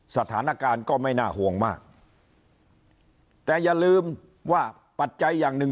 สถานการณ์ก็ไม่น่าห่วงมากแต่อย่าลืมว่าปัจจัยอย่างหนึ่ง